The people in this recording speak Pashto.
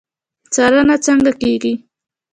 څارنه څنګه کیږي؟